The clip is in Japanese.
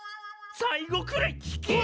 最後くらい聞け！